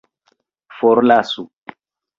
forlasu